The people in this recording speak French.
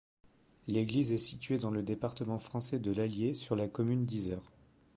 L'église est située dans le département français de l'Allier, sur la commune d'Yzeure.